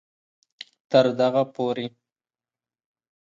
تر دغه پورې